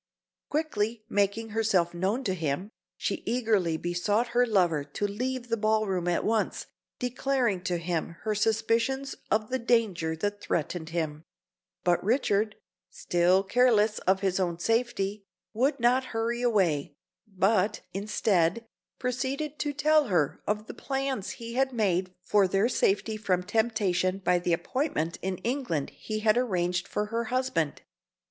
Quickly making herself known to him, she eagerly besought her lover to leave the ball room at once, declaring to him her suspicions of the danger that threatened him; but Richard, still careless of his own safety, would not hurry away, but, instead, proceeded to tell her of the plans he had made for their safety from temptation by the appointment in England he had arranged for her husband.